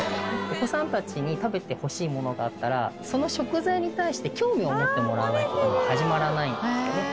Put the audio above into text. お子さんたちに食べてほしいものがあったらその食材に対して興味を持ってもらわないと始まらないんですよね。